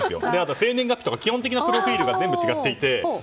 生年月日とか基本的なプロフィールが全部違っていて。